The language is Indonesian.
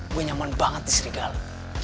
gue nyaman banget di serigala